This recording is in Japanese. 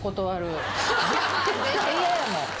絶対嫌やもん。